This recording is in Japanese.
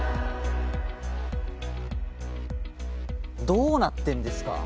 どうなってんですか。